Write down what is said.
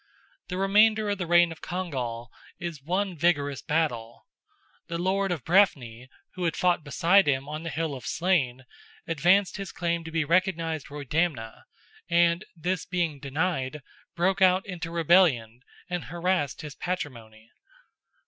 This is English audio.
The remainder of the reign of Congal is one vigorous battle. The Lord of Breffni, who had fought beside him on the hill of Slane, advanced his claim to be recognised Roydamna, and this being denied, broke out into rebellion and harassed his patrimony.